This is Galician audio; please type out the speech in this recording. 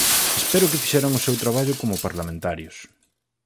Espero que fixeran o seu traballo como parlamentarios.